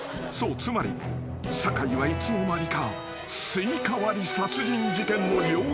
つまり酒井はいつの間にか］